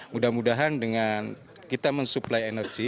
mudah mudahan dengan kita mensuplai energi